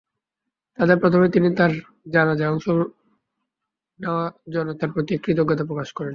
তাতে প্রথমে তিনি তাঁর জানাজায় অংশ নেওয়া জনতার প্রতি কৃতজ্ঞতা প্রকাশ করেন।